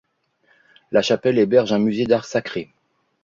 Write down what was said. La chapelle héberge un musée d'art sacré.